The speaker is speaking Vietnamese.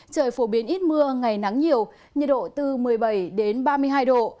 trời phổ biến ít mưa ngày nắng nhiều nhiệt độ từ một mươi bảy đến ba mươi hai độ